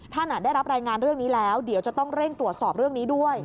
ได้รับรายงานเรื่องนี้แล้วเดี๋ยวจะต้องเร่งตรวจสอบเรื่องนี้ด้วย